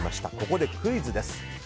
ここでクイズです。